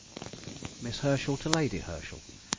_] MISS HERSCHEL TO LADY HERSCHEL.